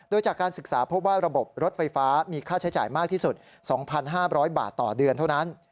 โดยจากการศึกษาพบว่าระบบรถไฟฟ้ามีค่าใช้จ่ายมากที่สุด๒๕๐๐บาทต่อเดือนเท่านั้น